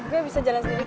gue bisa jalan sendiri